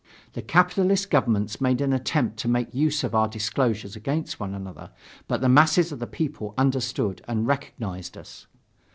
The capitalist governments made an attempt to make use of our disclosures against one another, but the masses of the people understood and recognized us.